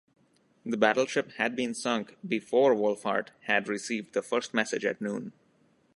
The battleship had been sunk before Wohlfahrt had received the first message at noon.